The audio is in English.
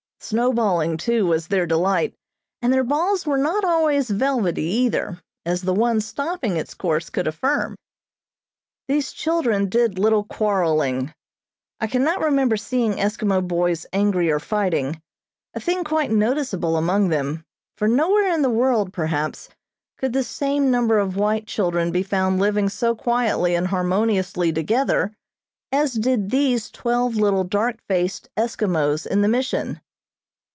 Snowballing, too, was their delight, and their balls were not always velvety, either, as the one stopping its course could affirm. These children did little quarreling. I cannot remember seeing Eskimo boys angry or fighting, a thing quite noticeable among them, for nowhere in the world, perhaps, could the same number of white children be found living so quietly and harmoniously together as did these twelve little dark faced Eskimos in the Mission.